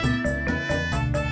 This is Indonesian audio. ya pak ya pak